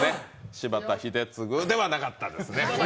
柴田英嗣ではなかったですね。